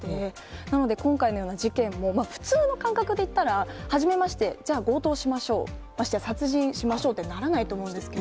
なので、今回のような事件も、普通の感覚でいったら、はじめまして、じゃあ強盗しましょう、ましてや殺人しましょうとならないと思うんですけど。